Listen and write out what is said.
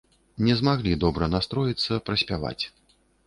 Не змаглі добра настроіцца, праспяваць.